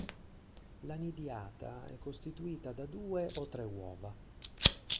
La nidiata è costituita da due o tre uova.